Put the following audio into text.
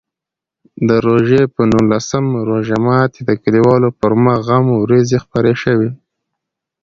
د روژې په نولسم روژه ماتي د کلیوالو پر مخ غم وریځې خپرې شوې.